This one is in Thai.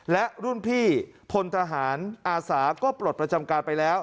และรุ่นพี่พลทหารอาสาก็ปลดประจำการไปแล้ว